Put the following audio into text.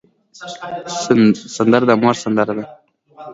سندره د مور سندره ده